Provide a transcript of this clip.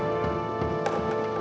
aku juga keliatan jalan sama si neng manis